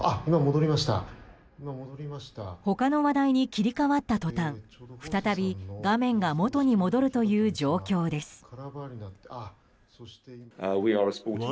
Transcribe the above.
他の話題に切り替わったとたん再び画面が元に戻るという状況です。